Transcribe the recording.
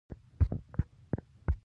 موږ ځو تارڼ اوبښتکۍ ته.